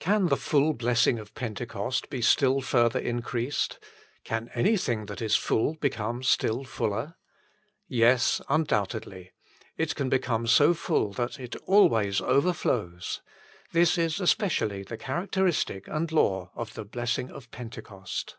38. the full blessing of Pentecost be still further increased ? Can anything that is full become still fuller ? Yes : undoubtedly. It can become so full that it always overflows. This is especially the characteristic and law of the blessing of Pentecost.